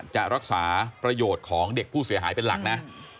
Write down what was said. จะรักษาประโยชน์ของเด็กผู้เสียหายเป็นหลักนะ